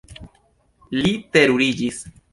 Li teruriĝis.